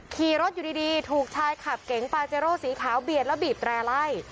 ขี่รถอยู่ดีถูกชายขับเก๋งปาเจโร่สีขาวเบียดแล้วบีบแร่ไล่